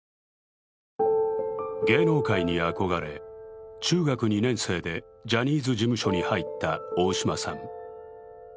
芸能界に憧れ、中学２年生でジャニーズ事務所に入った大島さん。